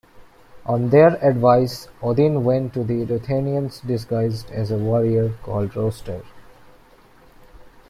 On their advice Odin went to the Ruthenians disguised as a warrior called Roster.